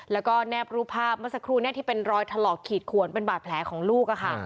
แล้วก็แนบรูปภาพเมื่อสักครู่ที่เป็นรอยถลอกขีดขวนเป็นบาดแผลของลูกค่ะ